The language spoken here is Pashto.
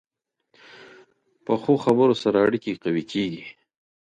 پخو خبرو سره اړیکې قوي کېږي